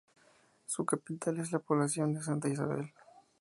Su capital es la población de Santa Isabel.